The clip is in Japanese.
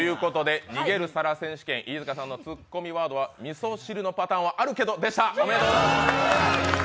「逃げる皿選手権」飯塚さんのツッコミは「味噌汁のパターンはあるけど」でした。